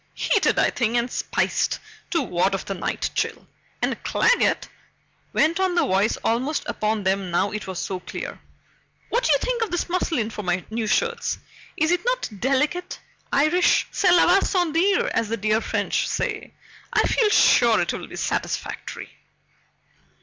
Heated, I think, and spiced, to ward off the night chill. And Claggett," went on the voice, almost upon them now it was so clear, "what do you think of this muslin for my new shirts? Is it not delicate? Irish, cela va sans dire, as the dear French say. I feel sure it will be satisfactory."